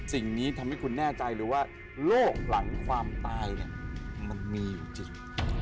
สิ่งนี้ทำให้คุณแน่ใจเลยว่าโรคหลังความตายเนี่ยมันมีอยู่จริง